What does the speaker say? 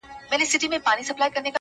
ته له قلف دروازې، یو خروار بار باسه~